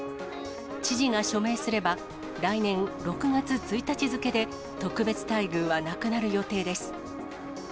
知事が署名すれば、来年６月１日付で特別待遇はなくなる予定です。